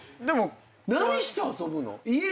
何して遊ぶの？